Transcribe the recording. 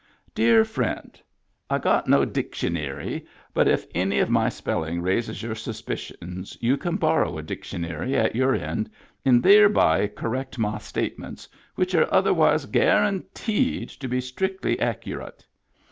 ^^ Dear friend I got no dictionery but if any of my spelling raises your suspicions you can borrow a dictionery at your end and theirby correct my statements which are otherwise garranteed to be strictly accurite.